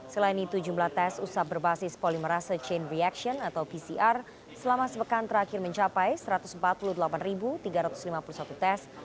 selain itu jumlah tes usap berbasis polimerase chain reaction atau pcr selama sepekan terakhir mencapai satu ratus empat puluh delapan tiga ratus lima puluh satu tes